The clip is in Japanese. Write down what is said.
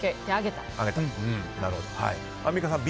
アンミカさん、Ｂ。